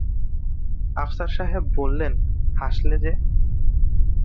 আফসার সাহেব বললেন, হাসলে যে?